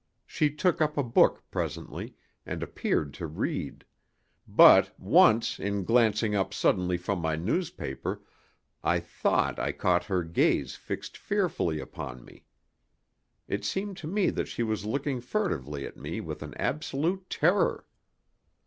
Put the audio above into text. She took up a book presently, and appeared to read; but, once in glancing up suddenly from my newspaper, I thought I caught her gaze fixed fearfully upon me. It seemed to me that she was looking furtively at me with an absolute terror.